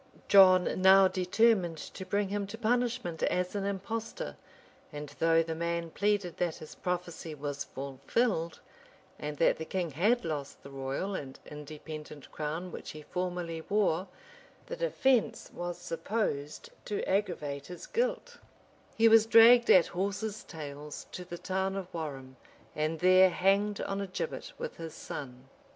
Johfi now determined to bring him to punishment as an impostor; and though the man pleaded that his prophecy was fulfilled, and that the king had lost the royal and independent crown which he formerly wore, the defence was supposed to aggravate his guilt: he was dragged at horses' tails to the town of Warham, and there hanged on a gibbet with his son.